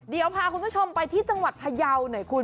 เดี๋ยวพาคุณผู้ชมไปที่จังหวัดพยาวหน่อยคุณ